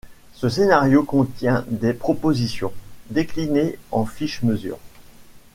Ce scénario contient des propositions, déclinées en fiches-mesures.